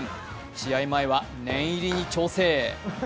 試合前は念入りに調整。